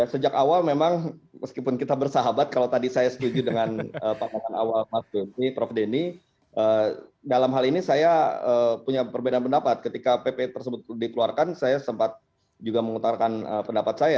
sejak awal memang meskipun kita bersahabat kalau tadi saya setuju dengan pandangan awal mas denny prof denny dalam hal ini saya punya perbedaan pendapat ketika pp tersebut dikeluarkan saya sempat juga mengutarkan pendapat saya